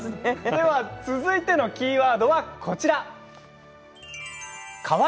続いてのキーワードはこちら。